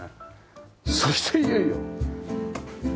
そしていよいよ。